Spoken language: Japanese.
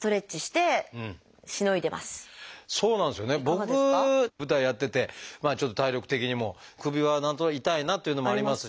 僕舞台やっててまあちょっと体力的にも首は何となく痛いなというのもあります。